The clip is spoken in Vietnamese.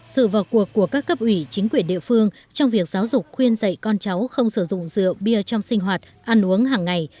sự vào cuộc của các cấp ủy chính quyền địa phương trong việc giáo dục khuyên dạy con cháu không sử dụng rượu bia trong sinh hoạt ăn uống hằng ngày